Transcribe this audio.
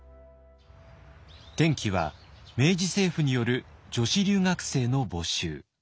転機は明治政府による女子留学生の募集。